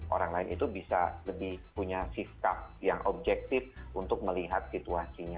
orang lain itu bisa lebih punya sikap yang objektif untuk melihat situasinya